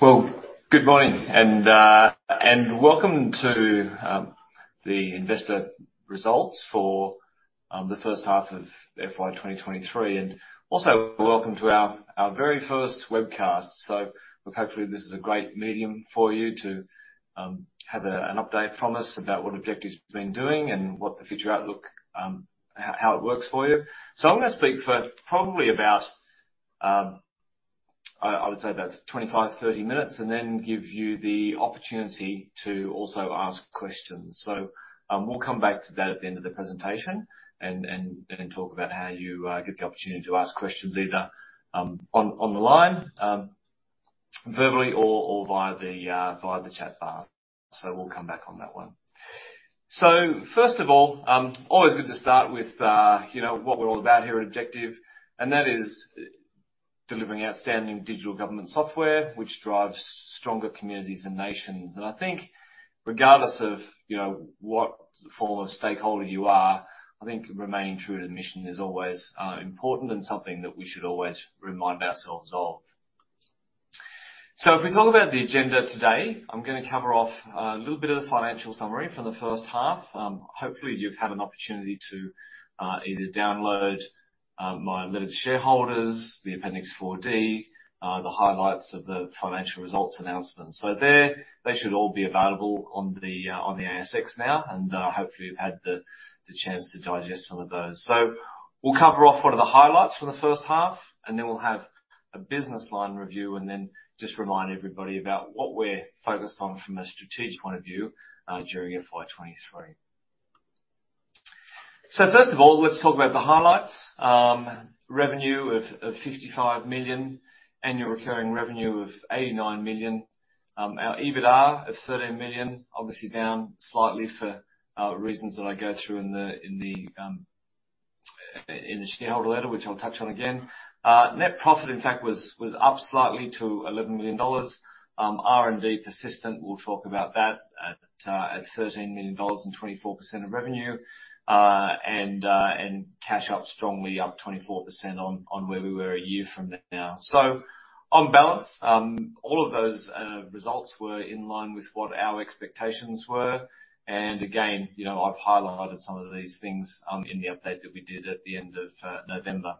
Good morning and welcome to the investor results for the first half of FY23. Also welcome to our very first webcast. Hopefully this is a great medium for you to have an update from us about what Objective's been doing and what the future outlook how it works for you. I'm gonna speak for probably about I would say about 25, 30 minutes, and then give you the opportunity to also ask questions. We'll come back to that at the end of the presentation and talk about how you get the opportunity to ask questions either on the line verbally or via the chat bar. We'll come back on that one. First of all, always good to start with, you know, what we're all about here at Objective, and that is delivering outstanding digital government software which drives stronger communities and nations. I think regardless of, you know, what form of stakeholder you are, I think remaining true to the mission is always important and something that we should always remind ourselves of. If we talk about the agenda today, I'm gonna cover off a little bit of the financial summary for the first half. Hopefully you've had an opportunity to either download my letter to shareholders, the Appendix 4D, the highlights of the financial results announcement. There, they should all be available on the ASX now and hopefully you've had the chance to digest some of those. We'll cover off what are the highlights for the first half, and then we'll have a business line review and then just remind everybody about what we're focused on from a strategic point of view during FY23. First of all, let's talk about the highlights. Revenue of 55 million. Annual recurring revenue of 89 million. Our EBITDA of 13 million, obviously down slightly for reasons that I go through in the shareholder letter, which I'll touch on again. Net profit in fact was up slightly to 11 million dollars. R&D persistent, we'll talk about that at 13 million dollars and 24% of revenue. And cash up strongly up 24% on where we were a year from now. On balance, all of those results were in line with what our expectations were. Again, you know, I've highlighted some of these things in the update that we did at the end of November.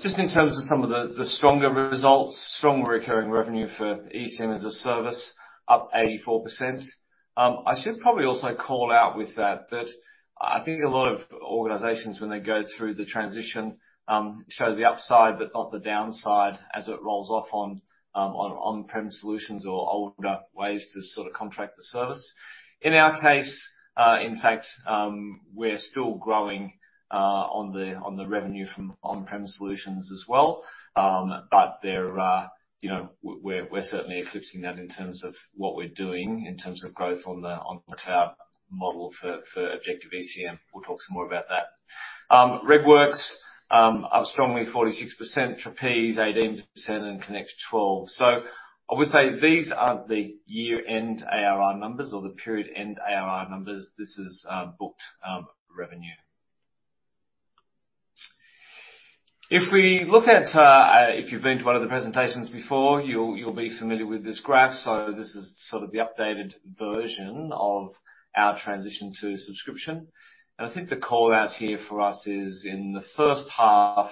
Just in terms of some of the stronger results, strong recurring revenue for ECM as a service up 84%. I should probably also call out with that I think a lot of organizations when they go through the transition show the upside but not the downside as it rolls off on on-prem solutions or older ways to sort of contract the service. In our case, in fact, we're still growing on the revenue from on-prem solutions as well. There, you know, we're certainly eclipsing that in terms of what we're doing in terms of growth on the cloud model for Objective ECM. We'll talk some more about that. RegWorks up strongly 46%. Trapeze 18% and Connect 12%. I would say these are the year-end ARR numbers or the period-end ARR numbers. This is booked revenue. If we look at, if you've been to one of the presentations before, you'll be familiar with this graph. This is sort of the updated version of our transition to subscription. I think the call out here for us is in the first half,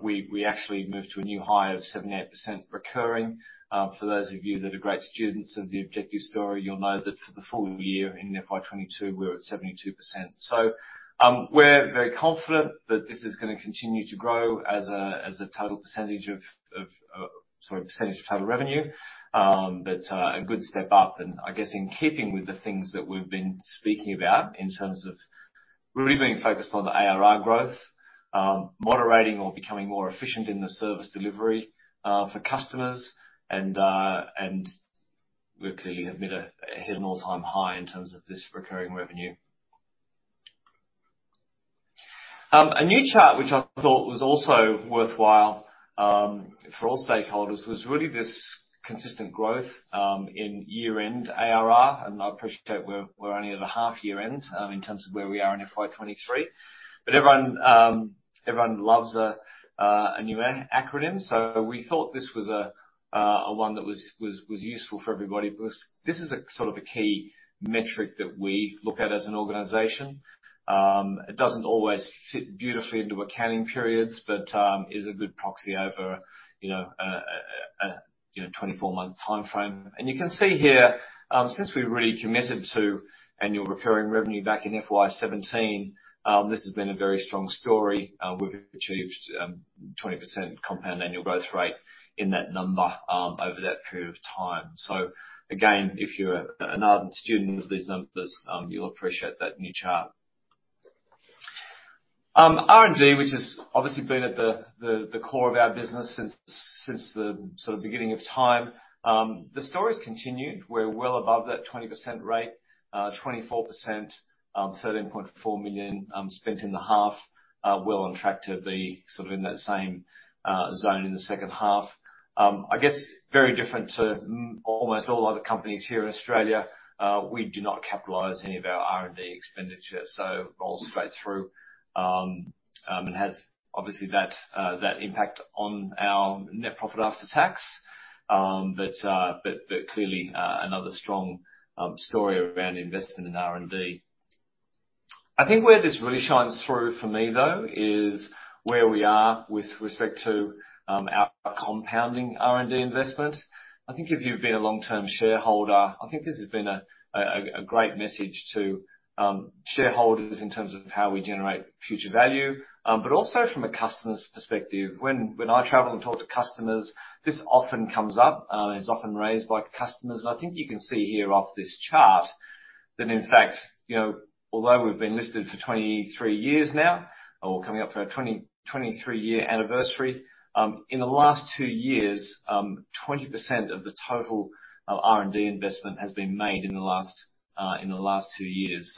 we actually moved to a new high of 78% recurring. For those of you that are great students of the Objective story, you'll know that for the full year in FY22 we were at 72%. We're very confident that this is gonna continue to grow as a, as a total percentage of, sorry, percentage of total revenue. A good step up and I guess in keeping with the things that we've been speaking about in terms of we're really being focused on the ARR growth, moderating or becoming more efficient in the service delivery, for customers and we're clearly at bit, a hit an all-time high in terms of this recurring revenue. A new chart which I thought was also worthwhile, for all stakeholders was really this consistent growth, in year end ARR. I appreciate we're only at a half year end, in terms of where we are in FY23. Everyone, everyone loves a new acronym, so we thought this was a one that was useful for everybody. This is a sort of a key metric that we look at as an organization. It doesn't always fit beautifully into accounting periods, but is a good proxy over, you know, a 24-month timeframe. You can see here, since we really committed to annual recurring revenue back in FY17, this has been a very strong story. We've achieved 20% compound annual growth rate in that number, over that period of time. Again, if you're an ardent student of these numbers, you'll appreciate that new chart. R&D, which has obviously been at the core of our business since the sort of beginning of time. The story's continued. We're well above that 20% rate. 24%, 13.4 million spent in the half. Well on track to be sort of in that same zone in the second half. I guess very different to almost all other companies here in Australia, we do not capitalize any of our R&D expenditure, so it rolls straight through and has obviously that impact on our net profit after tax. Clearly another strong story around investment in R&D. I think where this really shines through for me, though, is where we are with respect to our compounding R&D investment. I think if you've been a long-term shareholder, I think this has been a great message to shareholders in terms of how we generate future value. Also from a customer's perspective, when I travel and talk to customers, this often comes up and is often raised by customers. I think you can see here off this chart that in fact, you know, although we've been listed for 23 years now, or coming up for our 23 year anniversary, in the last two years, 20% of the total R&D investment has been made in the last two years.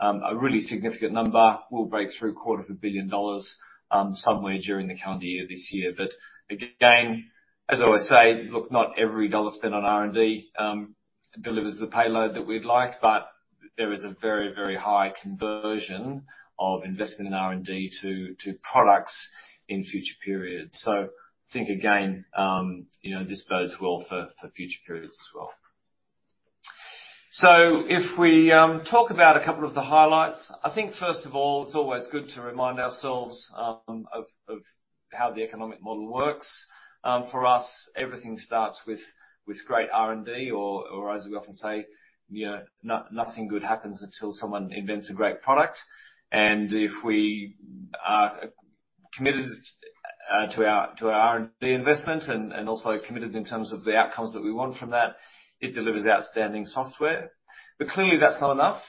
A really significant number. We'll break through a quarter of a billion dollars somewhere during the calendar year this year. Again, as I always say, look, not every dollar spent on R&D delivers the payload that we'd like, but there is a very, very high conversion of investment in R&D to products in future periods. I think again, you know, this bodes well for future periods as well. If we talk about a couple of the highlights, I think first of all, it's always good to remind ourselves of how the economic model works. For us, everything starts with great R&D or as we often say, you know, nothing good happens until someone invents a great product. If we are committed to our R&D investment and also committed in terms of the outcomes that we want from that, it delivers outstanding software. Clearly, that's not enough.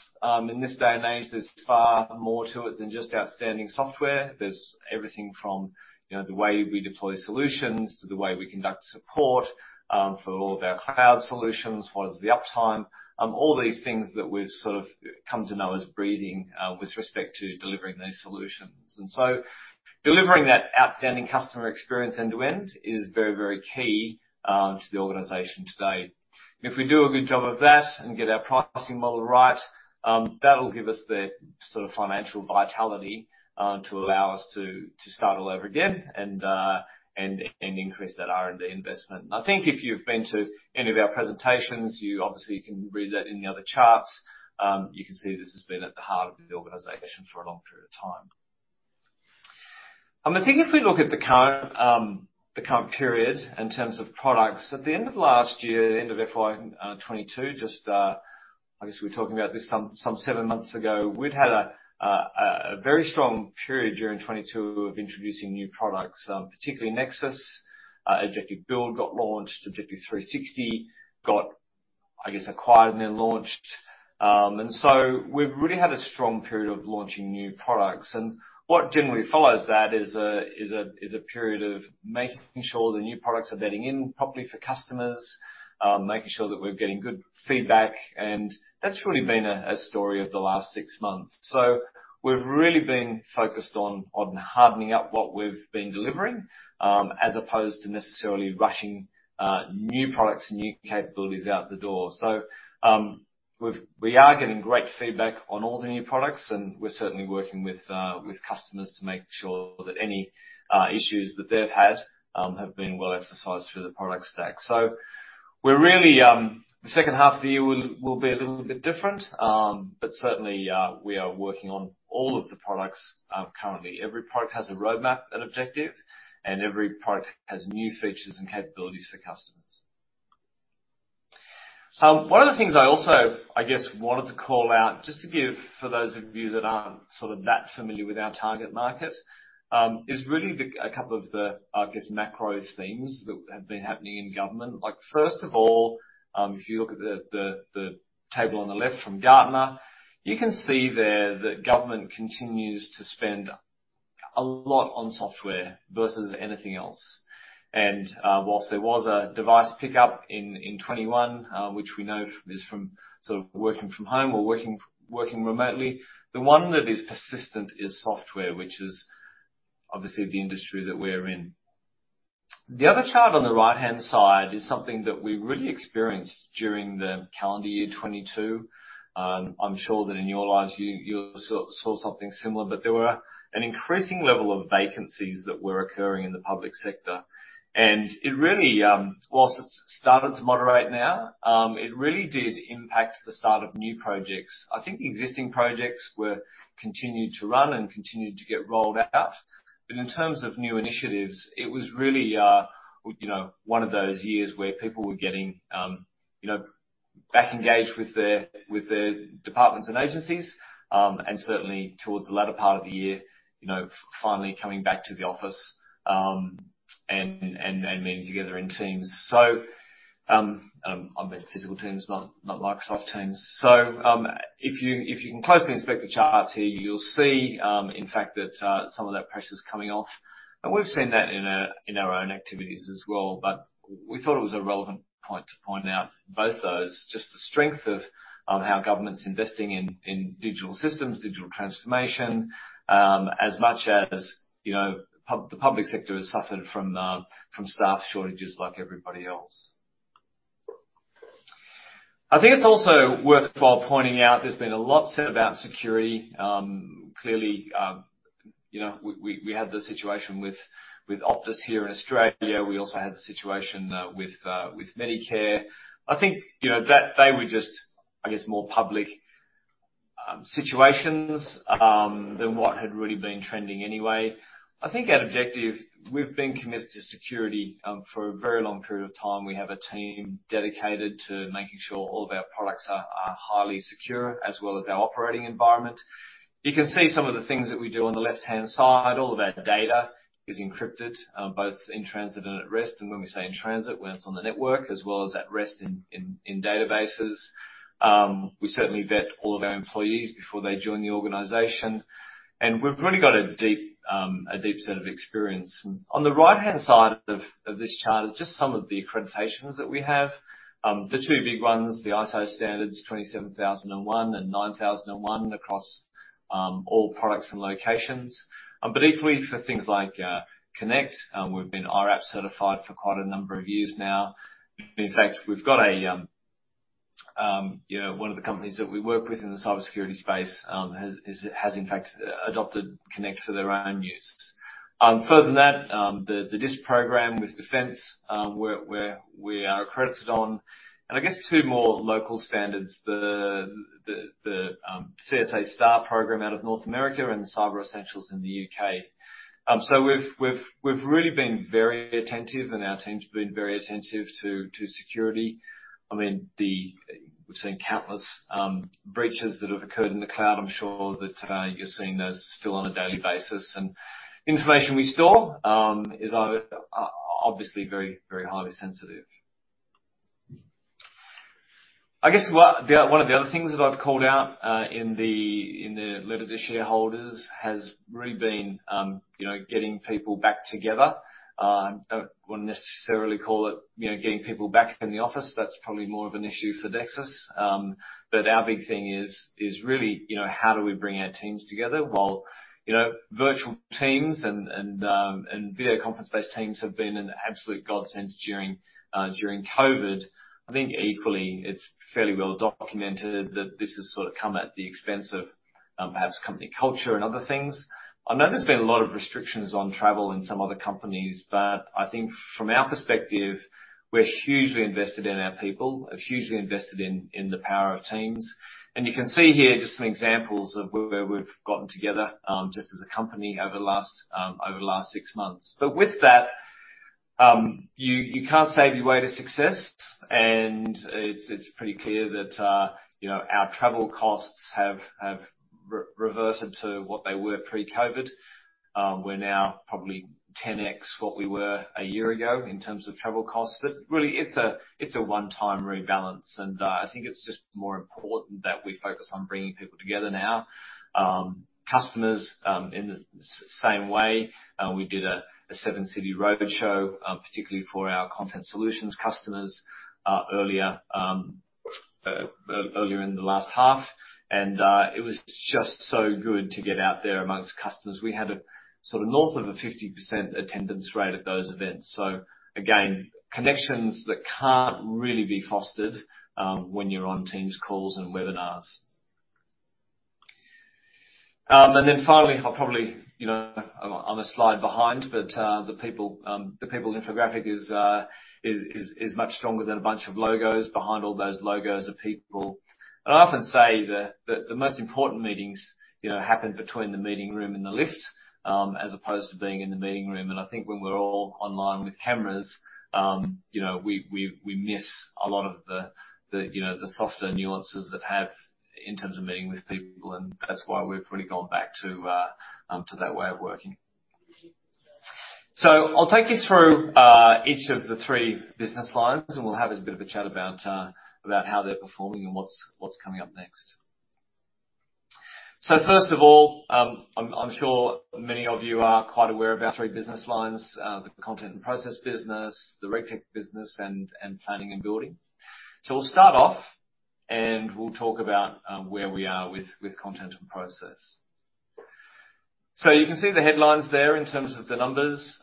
In this day and age, there's far more to it than just outstanding software. There's everything from, you know, the way we deploy solutions to the way we conduct support for all of our cloud solutions, what is the uptime, all these things that we've sort of come to know as breathing with respect to delivering these solutions. Delivering that outstanding customer experience end-to-end is very, very key to the organization today. If we do a good job of that and get our pricing model right, that'll give us the sort of financial vitality to allow us to start all over again and increase that R&D investment. I think if you've been to any of our presentations, you obviously can read that in the other charts. You can see this has been at the heart of the organization for a long period of time. I think if we look at the current, the current period in terms of products, at the end of last year, the end of FY22, just we were talking about this some seven months ago. We'd had a very strong period during 22 of introducing new products, particularly Nexus. Objective Build got launched. Objective 3Sixty got acquired and then launched. We've really had a strong period of launching new products. What generally follows that is a period of making sure the new products are bedding in properly for customers, making sure that we're getting good feedback. That's really been a story of the last six months. We've really been focused on hardening up what we've been delivering, as opposed to necessarily rushing new products and new capabilities out the door. We are getting great feedback on all the new products, and we're certainly working with customers to make sure that any issues that they've had have been well exercised through the product stack. We're really the second half of the year will be a little bit different. Certainly, we are working on all of the products currently. Every product has a roadmap at Objective, and every product has new features and capabilities for customers. One of the things I also, I guess, wanted to call out, just to give for those of you that aren't sort of that familiar with our target market, is really the, a couple of the, I guess, macro themes that have been happening in government. Like, first of all, if you look at the, the table on the left from Gartner, you can see there that government continues to spend a lot on software versus anything else. Whilst there was a device pickup in 21, which we know is from sort of working from home or working remotely, the one that is persistent is software, which is obviously the industry that we're in. The other chart on the right-hand side is something that we really experienced during the calendar year 22. I'm sure that in your lives you saw something similar. There were an increasing level of vacancies that were occurring in the public sector. It really, whilst it's started to moderate now, it really did impact the start of new projects. I think existing projects were continued to run and continued to get rolled out. In terms of new initiatives, it was really, you know, one of those years where people were getting, you know, back engaged with their, with their departments and agencies, and certainly towards the latter part of the year, you know, finally coming back to the office, and meeting together in teams. I meant physical teams, not Microsoft Teams. If you can closely inspect the charts here, you'll see in fact that some of that pressure's coming off. We've seen that in our own activities as well. We thought it was a relevant point to point out both those, just the strength of how government's investing in digital systems, digital transformation, as much as, you know, the public sector has suffered from staff shortages like everybody else. I think it's also worthwhile pointing out there's been a lot said about security. Clearly, you know, we had the situation with Optus here in Australia. We also had the situation with Medicare. I think, you know, that they were just, I guess, more public situations than what had really been trending anyway. I think at Objective we've been committed to security, for a very long period of time. We have a team dedicated to making sure all of our products are highly secure as well as our operating environment. You can see some of the things that we do on the left-hand side. All of our data is encrypted, both in transit and at rest. When we say in transit, when it's on the network as well as at rest in databases. We certainly vet all of our employees before they join the organization. We've really got a deep set of experience. On the right-hand side of this chart is just some of the accreditations that we have. The two big ones, the ISO standards, 27001 and 9001 across all products and locations. Equally for things like Connect, we've been IRAP certified for quite a number of years now. In fact, we've got a, you know, one of the companies that we work with in the cybersecurity space has in fact adopted Connect for their own uses. Further than that, the DISP program with defense, we are accredited on. I guess two more local standards. The CSA STAR program out of North America and the Cyber Essentials in the U.K.. We've really been very attentive and our team's been very attentive to security. I mean, we've seen countless breaches that have occurred in the cloud. I'm sure that you're seeing those still on a daily basis. The information we store is obviously very, very highly sensitive. I guess one of the other things that I've called out in the letter to shareholders has really been, you know, getting people back together. I wouldn't necessarily call it, you know, getting people back in the office. That's probably more of an issue for Dexus. Our big thing is really, you know, how do we bring our teams together? While, you know, virtual teams and video conference-based teams have been an absolute godsend during COVID, I think equally it's fairly well documented that this has sort of come at the expense of perhaps company culture and other things. I know there's been a lot of restrictions on travel in some other companies. I think from our perspective, we're hugely invested in our people. We're hugely invested in the power of teams. You can see here just some examples of where we've gotten together just as a company over the last six months. With that, you can't save your way to success. It's pretty clear that, you know, our travel costs have reverted to what they were pre-COVID. We're now probably 10x what we were a year ago in terms of travel costs. Really, it's a one-time rebalance, and I think it's just more important that we focus on bringing people together now. Customers in the same way, we did a seven-city roadshow particularly for our content solutions customers earlier earlier in the last half. It was just so good to get out there amongst customers. We had a sort of north of a 50% attendance rate at those events. Again, connections that can't really be fostered when you're on Teams calls and webinars. Finally, I'll probably, you know, I'm a slide behind, but the people, the people infographic is much stronger than a bunch of logos. Behind all those logos are people. I often say the most important meetings, you know, happen between the meeting room and the lift as opposed to being in the meeting room. I think when we're all online with cameras, you know, we miss a lot of the, you know, the softer nuances that have in terms of meeting with people, and that's why we've really gone back to that way of working. I'll take you through each of the three business lines, and we'll have a bit of a chat about how they're performing and what's coming up next. First of all, I'm sure many of you are quite aware of our three business lines, the content and process business, the RegTech business and planning and building. We'll start off, and we'll talk about where we are with content and process. You can see the headlines there in terms of the numbers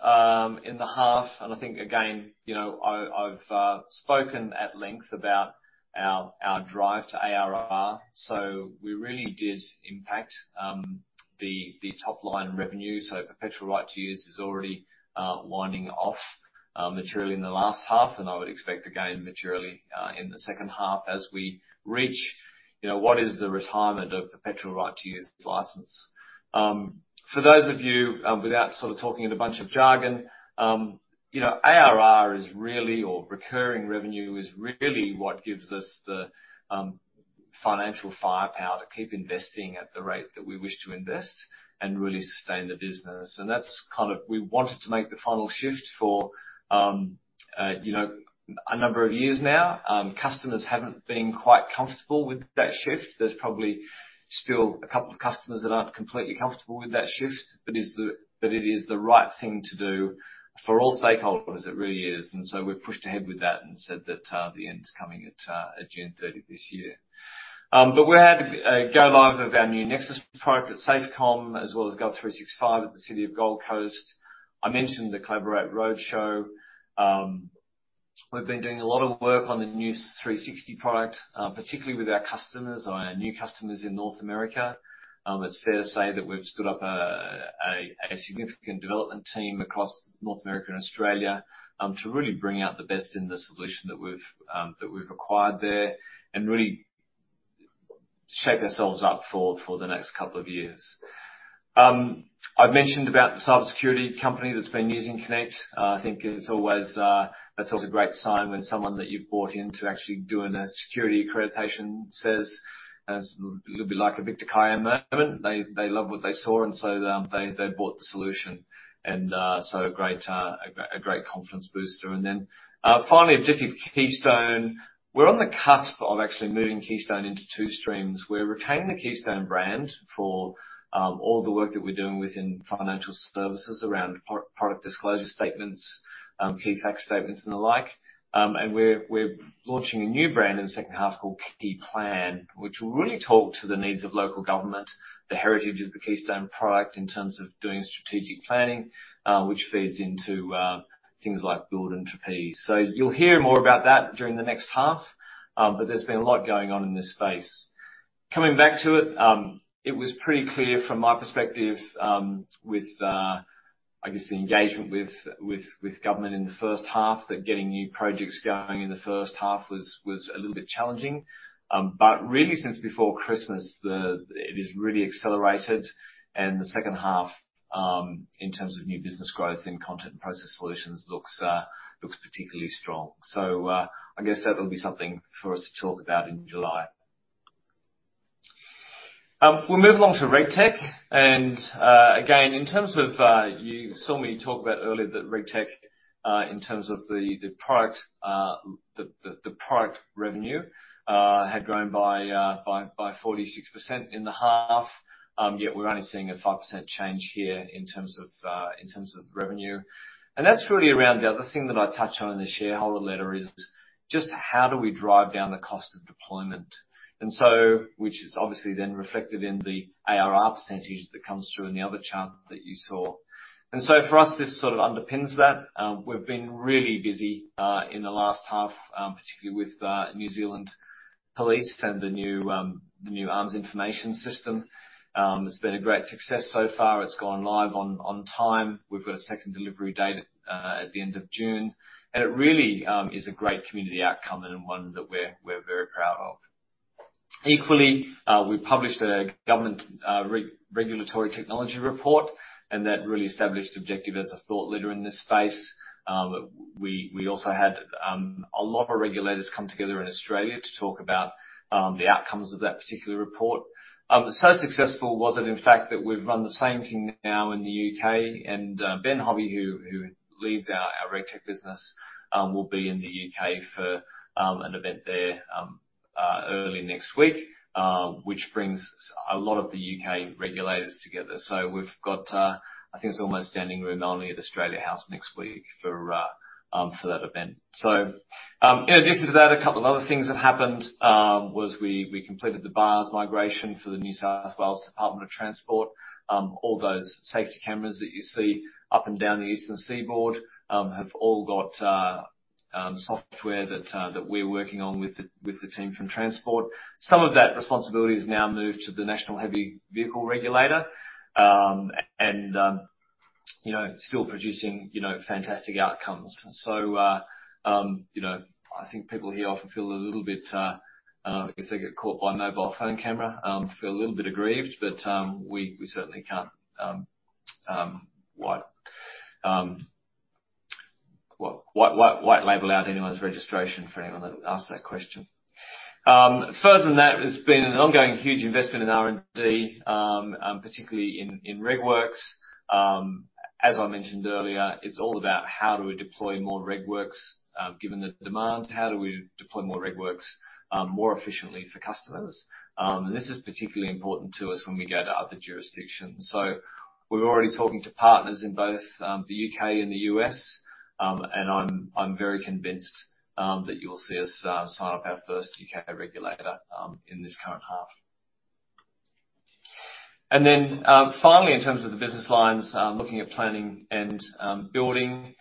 in the half. I think, again, you know, I've spoken at length about our drive to ARR. We really did impact the top line revenue. Perpetual right to use is already winding off materially in the last half, and I would expect again materially in the second half as we reach, you know, what is the retirement of perpetual right to use license. For those of you, without sort of talking in a bunch of jargon, you know, ARR is really, or recurring revenue, is really what gives us the financial firepower to keep investing at the rate that we wish to invest and really sustain the business. We wanted to make the final shift for, you know, a number of years now. Customers haven't been quite comfortable with that shift. There's probably still a couple of customers that aren't completely comfortable with that shift. It is the right thing to do for all stakeholders. It really is. We've pushed ahead with that and said that the end's coming at June 30th this year. We had a go live of our new Objective Nexus product at SAFECOM, as well as Objective GOV365 at the City of Gold Coast. I mentioned the Collaborate road show. We've been doing a lot of work on the new Objective 3Sixty product, particularly with our customers, our new customers in North America. It's fair to say that we've stood up a significant development team across North America and Australia to really bring out the best in the solution that we've acquired there and really shape ourselves up for the next couple of years. I've mentioned about the cybersecurity company that's been using Connect. I think that's always a great sign when someone that you've brought in to actually doing a security accreditation says, as it'll be like a Victor Kiam moment. They love what they saw. So they bought the solution. So great, a great confidence booster. Finally, Objective Keystone. We're on the cusp of actually moving Keystone into two streams. We're retaining the Keystone brand for all the work that we're doing within financial services around product disclosure statements, key fact statements and the like. We're launching a new brand in the second half called Keyplan, which will really talk to the needs of local government, the heritage of the Keystone product in terms of doing strategic planning, which feeds into things like Build and Trapeze. You'll hear more about that during the next half, there's been a lot going on in this space. Coming back to it was pretty clear from my perspective, with I guess the engagement with government in the first half, that getting new projects going in the first half was a little bit challenging. Really since before Christmas, it has really accelerated and the second half, in terms of new business growth in content and process solutions looks particularly strong. I guess that'll be something for us to talk about in July. We'll move along to RegTech. Again, in terms of you saw me talk about earlier that RegTech, in terms of the product revenue had grown by 46% in the half. Yet we're only seeing a 5% change here in terms of revenue. That's really around the other thing that I touch on in the shareholder letter is just how do we drive down the cost of deployment? Which is obviously then reflected in the ARR % that comes through in the other chart that you saw. For us, this sort of underpins that. We've been really busy in the last half, particularly with New Zealand Police and the new, the new arms information system. It's been a great success so far. It's gone live on time. We've got a second delivery date at the end of June. It really is a great community outcome and one that we're very proud of. Equally, we published a government regulatory technology report, and that really established Objective as the thought leader in this space. We also had a lot of our regulators come together in Australia to talk about the outcomes of that particular report. Successful was it, in fact, that we've run the same thing now in the U.K. Ben Hobby, who leads our RegTech business, will be in the U.K. for an event there early next week, which brings a lot of the U.K. regulators together. We've got, I think it's almost standing room only at Australia House next week for that event. In addition to that, a couple of other things that happened was we completed the BARS migration for the New South Wales Department of Transport. All those safety cameras that you see up and down the eastern seaboard have all got software that we're working on with the team from Transport. Some of that responsibility has now moved to the National Heavy Vehicle Regulator. You know, still producing, you know, fantastic outcomes. You know, I think people here often feel a little bit if they get caught by a mobile phone camera, feel a little bit aggrieved, we certainly can't white label out anyone's registration for anyone that asks that question. Further than that, it's been an ongoing huge investment in R&D, particularly in RegWorks. As I mentioned earlier, it's all about how do we deploy more RegWorks, given the demand? How do we deploy more RegWorks, more efficiently for customers? This is particularly important to us when we go to other jurisdictions. We're already talking to partners in both the U.K. and the U.S. . I'm very convinced that you will see us sign up our first U.K. regulator in this current half. Finally, in terms of the business lines, looking at planning and building,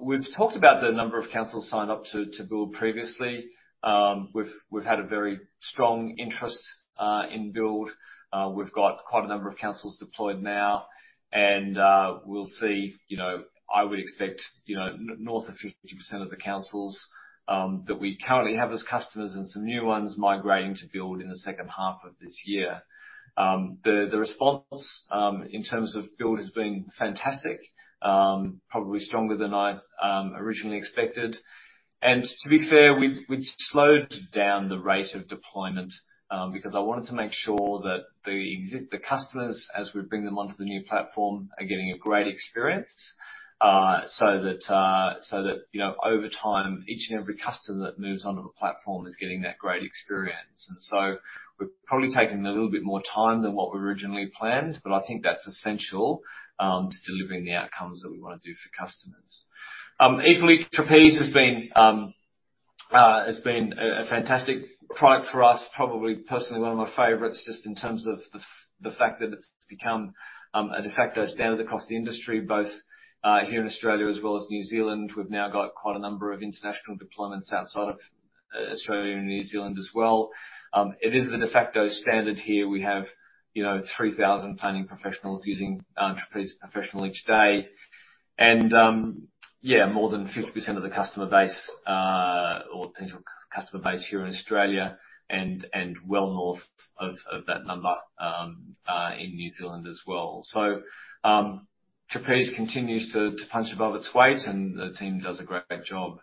we've talked about the number of councils signed up to Build previously. We've had a very strong interest in Build. We've got quite a number of councils deployed now. We'll see, you know, I would expect, you know, north of 50% of the councils that we currently have as customers and some new ones migrating to Build in the second half of this year. The response in terms of Build has been fantastic, probably stronger than I originally expected. To be fair, we've slowed down the rate of deployment, because I wanted to make sure that the customers, as we bring them onto the new platform, are getting a great experience, so that, you know, over time, each and every customer that moves onto the platform is getting that great experience. We're probably taking a little bit more time than what we originally planned, but I think that's essential, to delivering the outcomes that we wanna do for customers. Equally, Trapeze has been a fantastic product for us. Probably personally one of my favorites, just in terms of the fact that it's become, a de facto standard across the industry, both here in Australia as well as New Zealand. We've now got quite a number of international deployments outside of Australia and New Zealand as well. It is the de facto standard here. We have, you know, 3,000 planning professionals using Trapeze Professional each day. Yeah, more than 50% of the customer base or potential customer base here in Australia and well north of that number in New Zealand as well. Trapeze continues to punch above its weight, and the team does a great job.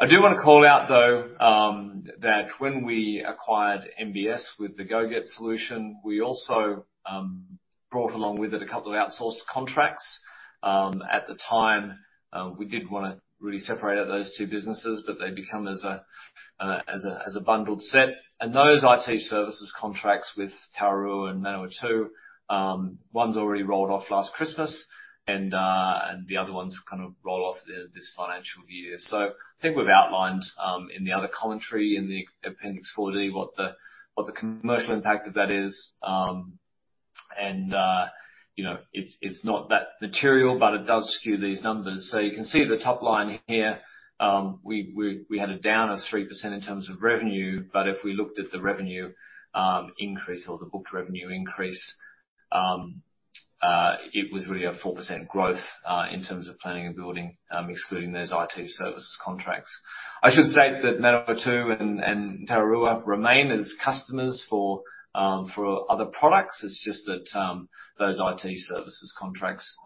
I do wanna call out, though, that when we acquired MBS with the GoGet solution, we also brought along with it a couple of outsourced contracts. At the time, we did wanna really separate out those two businesses, but they become as a as a bundled set. Those IT services contracts with Tararua and Manawatu, one's already rolled off last Christmas and the other one's kind of roll off this financial year. I think we've outlined in the other commentary in the Appendix 4D what the commercial impact of that is. You know, it's not that material, but it does skew these numbers. You can see the top line here. We had a down of 3% in terms of revenue, but if we looked at the revenue increase or the booked revenue increase, it was really a 4% growth in terms of planning and building, excluding those IT services contracts. I should state that Manawatu and Tararua remain as customers for other products. It's just that those IT services contracts,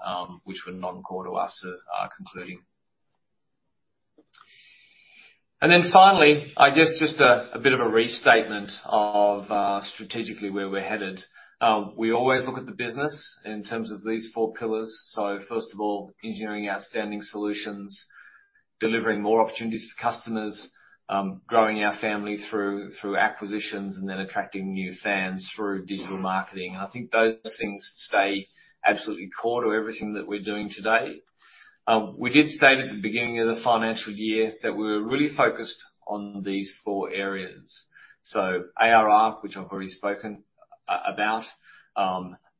which were non-core to us are concluding. Finally, I guess just a bit of a restatement of strategically where we're headed. We always look at the business in terms of these four pillars. First of all, engineering outstanding solutions, delivering more opportunities for customers, growing our family through acquisitions, attracting new fans through digital marketing. I think those things stay absolutely core to everything that we're doing today. We did state at the beginning of the financial year that we're really focused on these four areas. ARR, which I've already spoken about,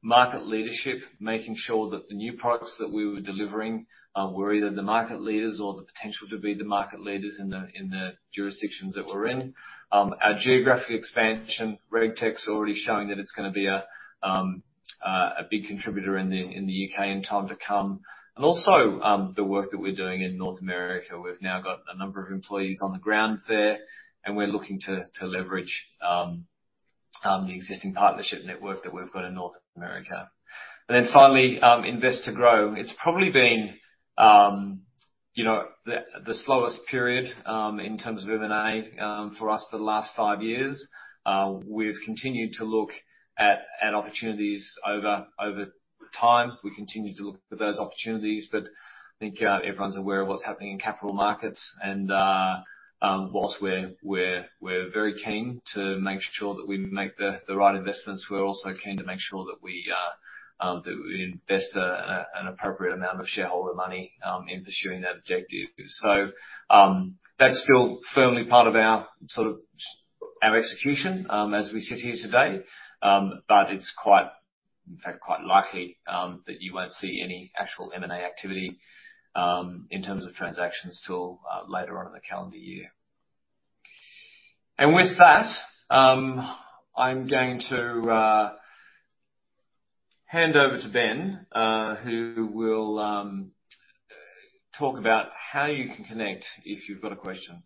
market leadership, making sure that the new products that we were delivering were either the market leaders or the potential to be the market leaders in the jurisdictions that we're in. Our geographic expansion RegTech's already showing that it's going to be a big contributor in the U.K. in time to come. The work that we're doing in North America. We've now got a number of employees on the ground there, and we're looking to leverage the existing partnership network that we've got in North America. Finally, invest to grow. It's probably been, you know, the slowest period in terms of M&A for us for the last five years. We've continued to look at opportunities over time. We continue to look for those opportunities, but I think everyone's aware of what's happening in capital markets. Whilst we're very keen to make sure that we make the right investments, we're also keen to make sure that we invest an appropriate amount of shareholder money in pursuing that objective. That's still firmly part of our sort of our execution as we sit here today. It's quite, in fact, quite likely that you won't see any actual M&A activity in terms of transactions till later on in the calendar year. With that, I'm going to hand over to Ben, who will talk about how you can connect if you've got a question.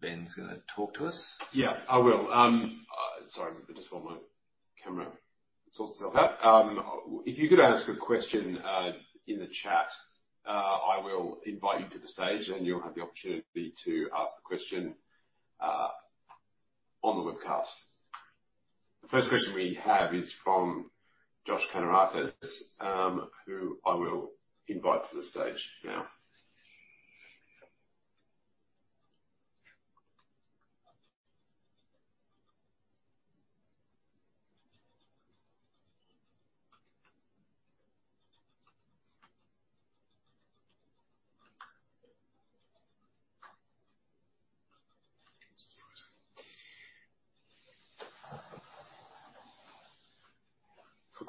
Ben's gonna talk to us. Yeah. I will. Sorry, I've just got my camera sort itself out. If you could ask a question, in the chat, I will invite you to the stage, and you'll have the opportunity to ask the question, on the webcast. The first question we have is from Josh Kannourakis, who I will invite to the stage now.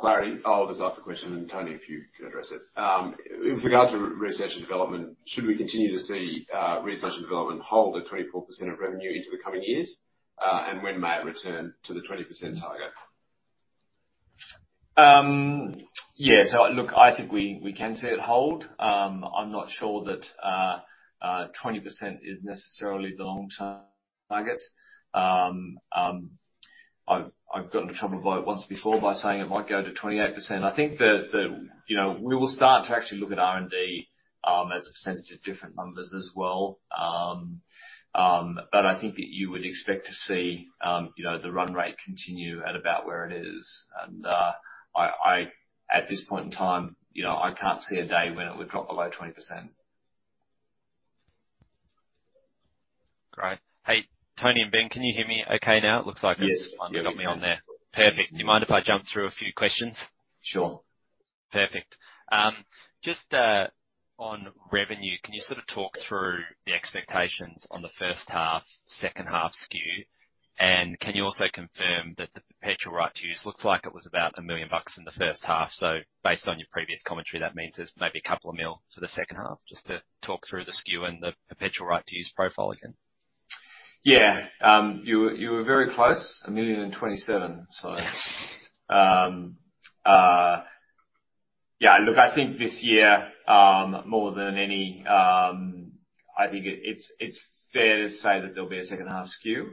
For clarity, I'll just ask the question, and Tony, if you could address it. In regard to research and development, should we continue to see research and development hold at 24% of revenue into the coming years? When might it return to the 20% target? Yeah, look, I think we can see it hold. I'm not sure that 20% is necessarily the long-term target. I've got into trouble by once before by saying it might go to 28%. I think you know, we will start to actually look at R&D. As I've sent you different numbers as well. I think that you would expect to see, you know, the run rate continue at about where it is. At this point in time, you know, I can't see a day when it would drop below 20%. Great. Hey, Tony and Ben, can you hear me okay now? Yes. Looks like it's finally got me on there. Perfect. Do you mind if I jump through a few questions? Sure. Perfect. Just on revenue, can you sort of talk through the expectations on the first half, second half SKU? Can you also confirm that the perpetual right to use looks like it was about 1 million bucks in the first half, so based on your previous commentary, that means there's maybe 2 million for the second half. Just to talk through the SKU and the perpetual right to use profile again. Yeah. You were very close. 1,000,027. Yeah. Look, I think this year, more than any, I think it's fair to say that there'll be a second half SKU,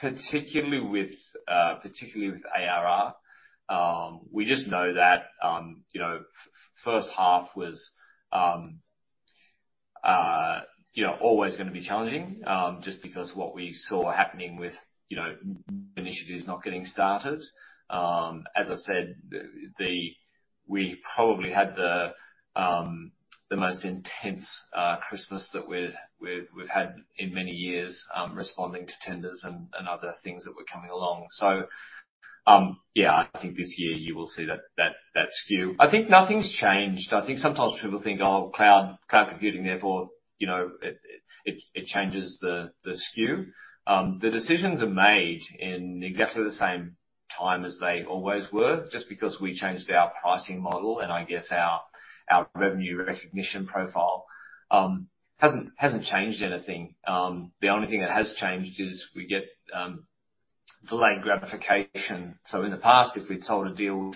particularly with particularly with ARR. We just know that, you know, first half was, you know, always gonna be challenging, just because what we saw happening with, you know, initiatives not getting started. As I said, we probably had the most intense Christmas that we've had in many years, responding to tenders and other things that were coming along. Yeah, I think this year you will see that SKU. I think nothing's changed. I think sometimes people think, oh, cloud computing, therefore, you know, it changes the SKU. The decisions are made in exactly the same time as they always were. Just because we changed our pricing model and I guess our revenue recognition profile hasn't changed anything. The only thing that has changed is we get delayed gratification. In the past, if we'd sold a deal 1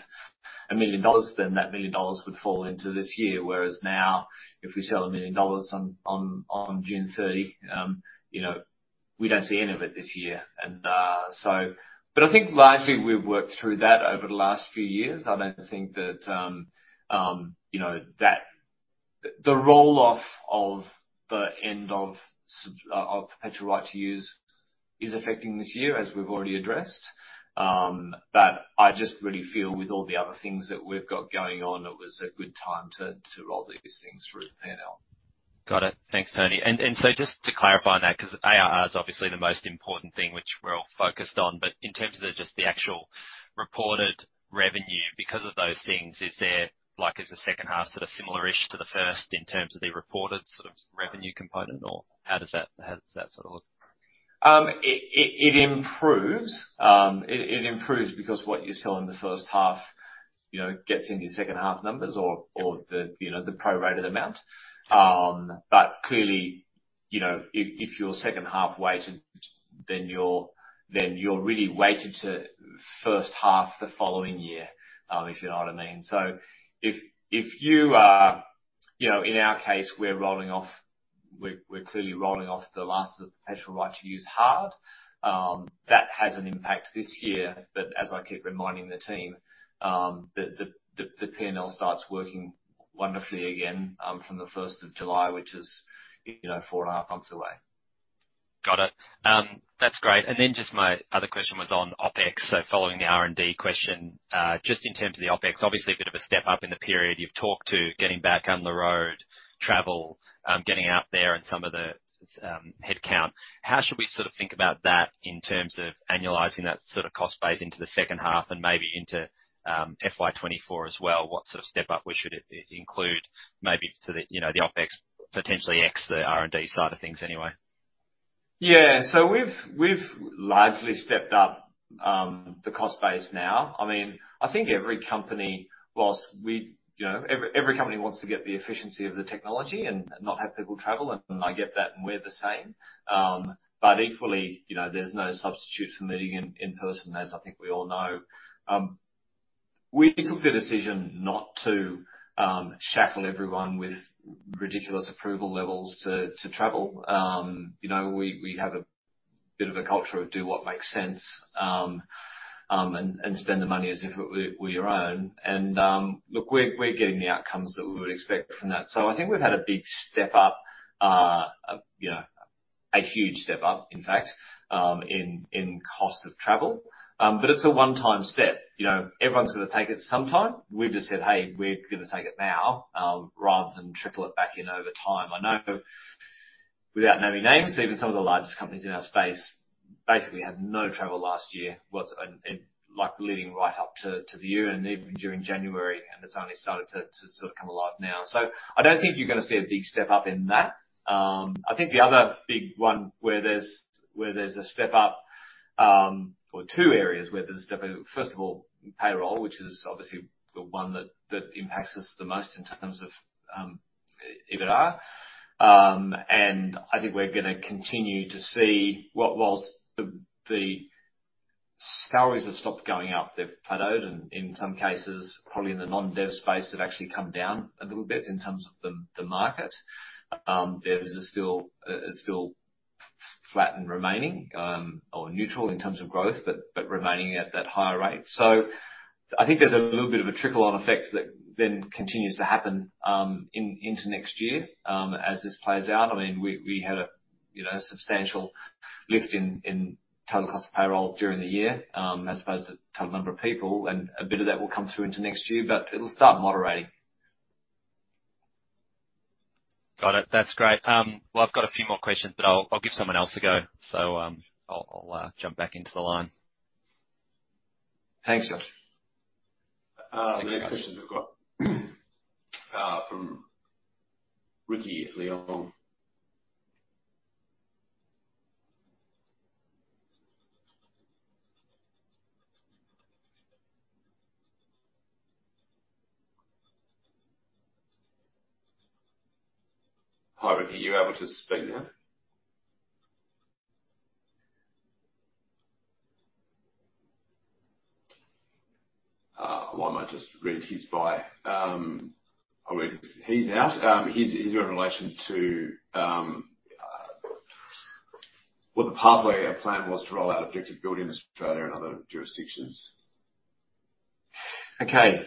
million dollars, then that 1 million dollars would fall into this year. Whereas now if we sell 1 million dollars on June 30, you know, we don't see any of it this year. I think largely we've worked through that over the last few years. I don't think that, you know, that the roll-off of the end of perpetual right to use is affecting this year, as we've already addressed. I just really feel with all the other things that we've got going on, it was a good time to roll these things through the P&L. Got it. Thanks, Tony. Just to clarify on that, 'cause ARR is obviously the most important thing which we're all focused on, but in terms of the, just the actual reported revenue because of those things, is there like, is the second half sort of similar-ish to the first in terms of the reported sort of revenue component? Or how does that, how does that sort of look? It improves. It improves because what you sell in the first half, you know, gets into your second half numbers or the, you know, the prorated amount. Clearly, you know, if you're second half weighted, then you're really weighted to first half the following year, if you know what I mean. If you are, you know, in our case, we're rolling off, we're clearly rolling off the last of the perpetual right to use hard, that has an impact this year. As I keep reminding the team, the P&L starts working wonderfully again, from the first of July, which is, you know, four and a half months away. Got it. That's great. Just my other question was on OpEx. Following the R&D question, just in terms of the OpEx, obviously a bit of a step up in the period. You've talked to getting back on the road, travel, getting out there and some of the headcount. How should we sort of think about that in terms of annualizing that sort of cost base into the second half and maybe into FY24 as well? What sort of step up we should include maybe to the, you know, the OpEx potentially ex the R&D side of things anyway? We've largely stepped up the cost base now. I mean, I think every company, whilst we, you know, every company wants to get the efficiency of the technology and not have people travel, and I get that, and we're the same. But equally, you know, there's no substitute for meeting in person as I think we all know. We took the decision not to shackle everyone with ridiculous approval levels to travel. You know, we have a bit of a culture of do what makes sense and spend the money as if it were your own. Look, we're getting the outcomes that we would expect from that. I think we've had a big step up, you know, a huge step up in fact, in cost of travel. It's a one-time step. You know, everyone's gotta take it sometime. We've just said, "Hey, we're gonna take it now, rather than trickle it back in over time." I know without naming names, even some of the largest companies in our space basically had no travel last year. Was like leading right up to the year and even during January, and it's only started to sort of come alive now. I don't think you're gonna see a big step up in that. I think the other big one where there's a step up, or two areas where there's a step up, first of all, payroll, which is obviously the one that impacts us the most in terms of EBITDA. I think we're gonna continue to see whilst the salaries have stopped going up, they've plateaued, and in some cases, probably in the non-dev space, they've actually come down a little bit in terms of the market. There is a still flat and remaining, or neutral in terms of growth, but remaining at that higher rate. I think there's a little bit of a trickle-on effect that then continues to happen into next year, as this plays out. I mean, we had a, you know, substantial lift in total cost of payroll during the year, as opposed to total number of people. A bit of that will come through into next year, but it'll start moderating. Got it. That's great. Well, I've got a few more questions, but I'll give someone else a go. I'll jump back into the line. Thanks, Josh. Thanks, guys. The next question we've got from Ricky Leung. Hi, Ricky. Are you able to speak now? Well, I might just read his via. Oh, wait, he's out. He's in relation to, well, the pathway or plan was to roll out Objective Building Australia in other jurisdictions. Okay.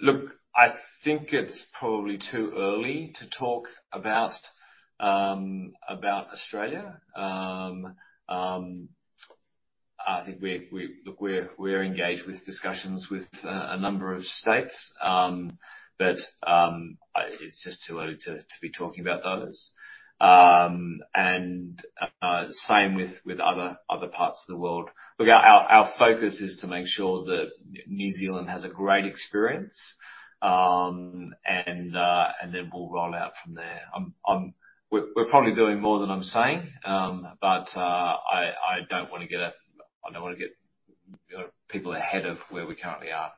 Look, I think it's probably too early to talk about Australia. I think we're engaged with discussions with a number of states, but It's just too early to be talking about those. Same with other parts of the world. Look, our focus is to make sure that New Zealand has a great experience, and then we'll roll out from there. We're probably doing more than I'm saying, but I don't wanna get, you know, people ahead of where we currently are.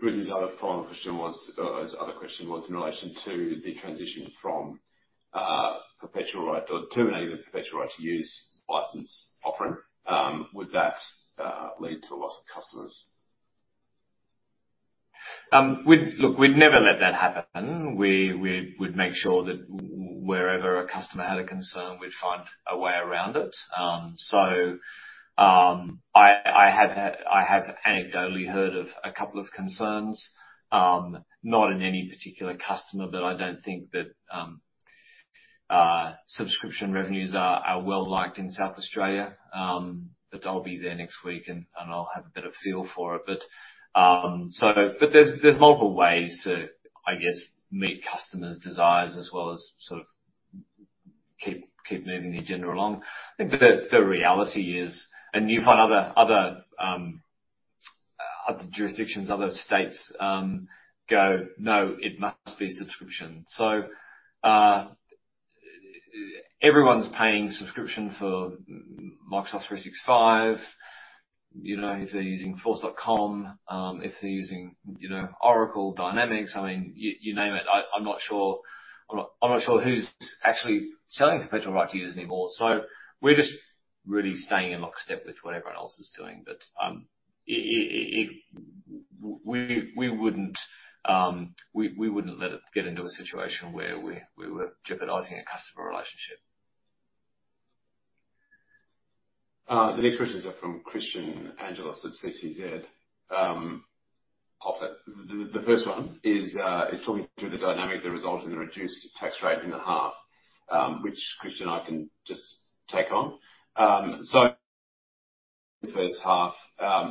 Ricky's other follow-up question was, or his other question was in relation to the transition from perpetual right or terminating the perpetual right to use license offering. Would that lead to a loss of customers? We'd... Look, we'd never let that happen. We would make sure that wherever a customer had a concern, we'd find a way around it. I have anecdotally heard of a couple of concerns, not in any particular customer, but I don't think that subscription revenues are well-liked in South Australia. I'll be there next week and I'll have a better feel for it. So. There's multiple ways to meet customers' desires as well as keep moving the agenda along. You find other jurisdictions, other states go, "No, it must be subscription." Everyone's paying subscription for Microsoft 365. You know, if they're using Force.com, if they're using, you know, Microsoft Dynamics, I mean, you name it. I'm not sure who's actually selling perpetual right to use anymore. We're just really staying in lockstep with what everyone else is doing. We wouldn't let it get into a situation where we were jeopardizing a customer relationship. The next questions are from Christian Angelis at CCZ. I'll. The first one is talking through the dynamic that resulted in the reduced tax rate in the half, which Christian and I can just take on. The first half,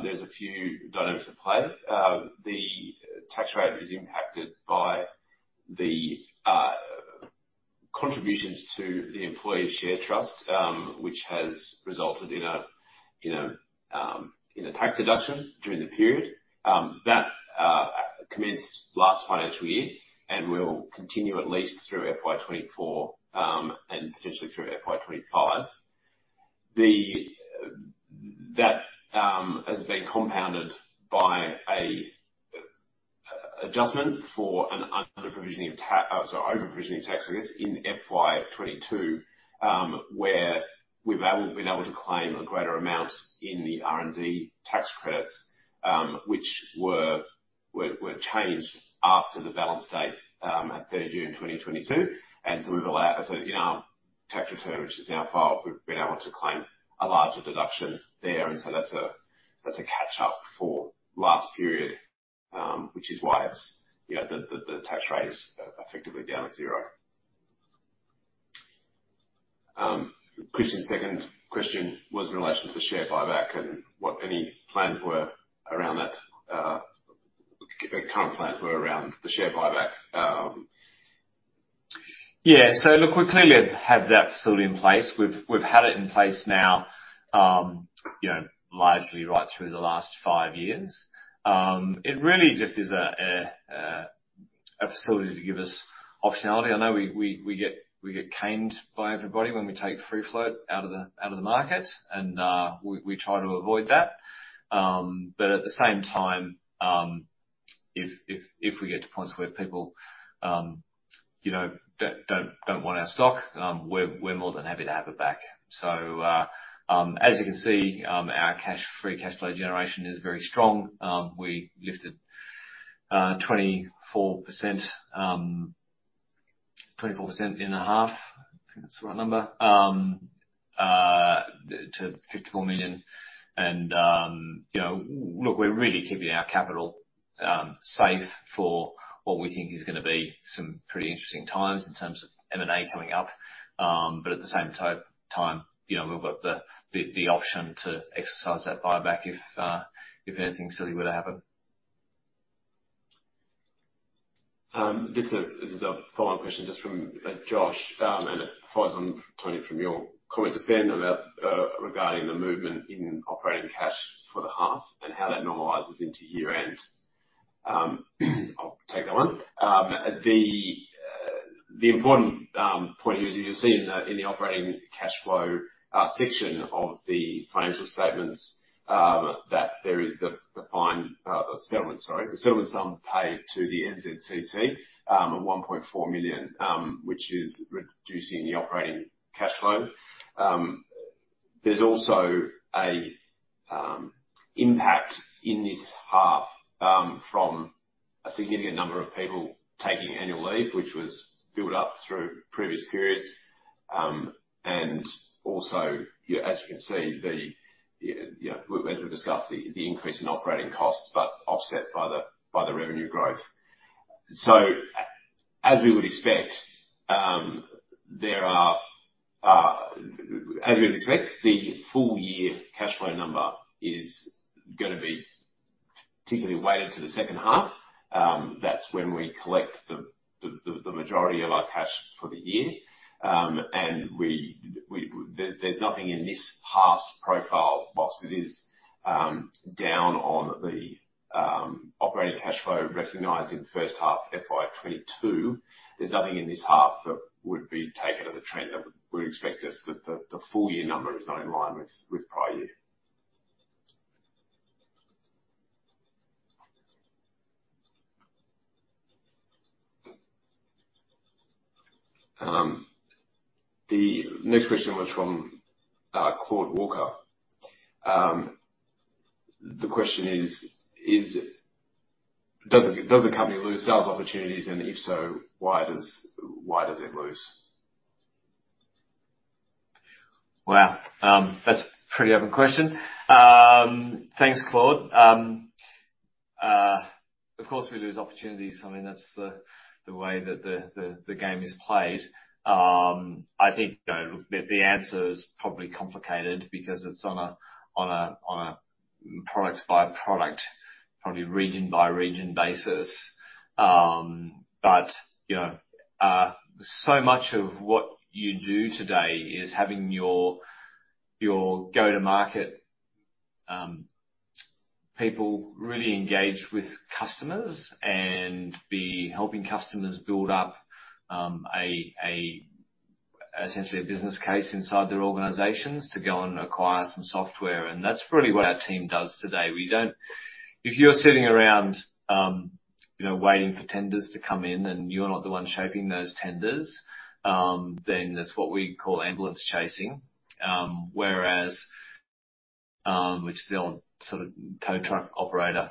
there's a few dynamics at play. The tax rate is impacted by the contributions to the employee share trust, which has resulted in a tax deduction during the period that commenced last financial year and will continue at least through FY24 and potentially through FY25. That has been compounded by an adjustment for an overprovisioning of tax, I guess, in FY22, where we've been able to claim a greater amount in the R&D tax credits, which were changed after the balance date, at 30 June 2022. In our tax return, which is now filed, we've been able to claim a larger deduction there. That's a catch up for last period, which is why it's, you know, the tax rate is effectively down at 0. Christian's second question was in relation to the share buyback and what any plans were around that, what current plans were around the share buyback. Look, we clearly have that facility in place. We've had it in place now, you know, largely right through the last five years. It really just is a facility to give us optionality. I know we get caned by everybody when we take free float out of the market, and we try to avoid that. At the same time, if we get to points where people, you know, don't want our stock, we're more than happy to have it back. As you can see, our cash, free cash flow generation is very strong. We lifted 24%, 24% in the half, if that's the right number, to 54 million. You know, we're really keeping our capital safe for what we think is gonna be some pretty interesting times in terms of M&A coming up. At the same time, you know, we've got the option to exercise that buyback if anything silly were to happen. This is a follow-on question just from Josh, and it follows on from Tony, from your comment just then about regarding the movement in operating cash for the half and how that normalizes into year-end. I'll take that one. The important point is, you'll see in the operating cash flow section of the financial statements, that there is the fine settlement, sorry. The settlement sum paid to the NZCC, at 1.4 million, which is reducing the operating cash flow. There's also an impact in this half from a significant number of people taking annual leave, which was built up through previous periods. As you can see, you know, as we've discussed, the increase in operating costs, offset by the revenue growth. As we would expect, the full year cash flow number is gonna be particularly weighted to the second half. That's when we collect the majority of our cash for the year. There's nothing in this half's profile whilst it is down on the operating cash flow recognized in the first half FY22. There's nothing in this half that would be taken as a trend that would expect us that the full year number is not in line with prior year. The next question was from Claude Walker.The question is does the company lose sales opportunities? If so, why does it lose? Wow. That's a pretty open question. Thanks, Claude. Of course, we lose opportunities. I mean, that's the way that the game is played. I think, you know, look, the answer is probably complicated because it's on a product by product, probably region by region basis. But, you know, so much of what you do today is having your go-to-market people really engaged with customers and be helping customers build up essentially a business case inside their organizations to go and acquire some software. That's really what our team does today. If you're sitting around, you know, waiting for tenders to come in and you're not the one shaping those tenders, then that's what we call ambulance chasing. Whereas, which is the old sort of tow truck operator,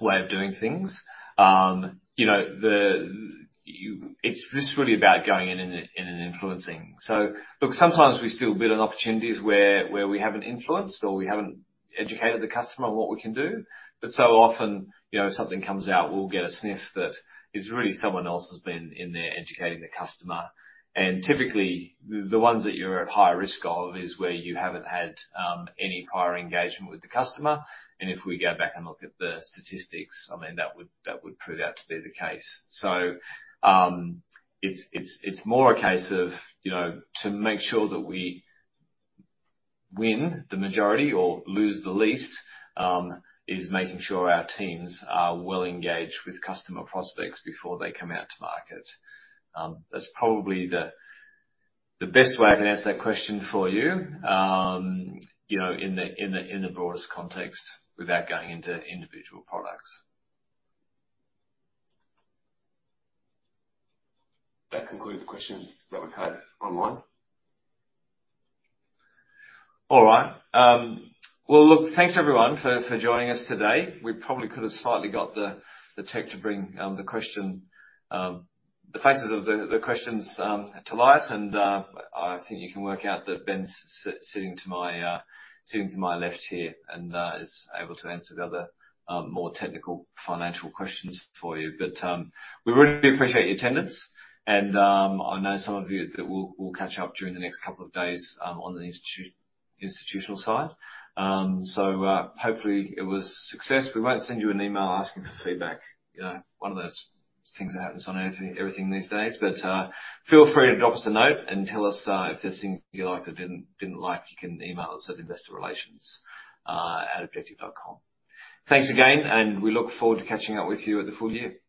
way of doing things. You know, it's, this is really about going in and influencing. Look, sometimes we still bid on opportunities where we haven't influenced or we haven't educated the customer on what we can do. So often, you know, something comes out, we'll get a sniff that it's really someone else has been in there educating the customer. Typically, the ones that you're at higher risk of is where you haven't had any prior engagement with the customer. If we go back and look at the statistics, I mean, that would, that would prove that to be the case. It's more a case of, you know, to make sure that we win the majority or lose the least, is making sure our teams are well engaged with customer prospects before they come out to market. That's probably the best way I can answer that question for you know, in the broadest context without going into individual products. That concludes questions that we've had online. All right. Well, look, thanks everyone for joining us today. We probably could have slightly got the tech to bring the question, the faces of the questions to light. I think you can work out that Ben's sitting to my left here and is able to answer the other more technical financial questions for you. We really appreciate your attendance and, I know some of you that we'll catch up during the next couple of days on the institutional side. Hopefully it was a success. We won't send you an email asking for feedback, you know, one of those things that happens on everything these days. Feel free to drop us a note and tell us if there's things you liked or didn't like. You can email us at investorrelations@objective.com. Thanks again, and we look forward to catching up with you at the full year.